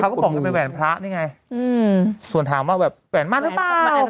เขาก็บอกว่าเป็นแหวนพระนี่ไงส่วนถามว่าแหวนมันหรือเปล่า